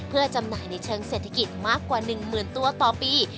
เพื่อจำหน่ายในเชิงเศรษฐกิจมากกว่า๑หมื่นตัวต่อปี